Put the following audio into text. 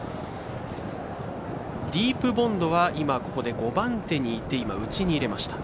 ディープボンドは５番手にいって内にいれました。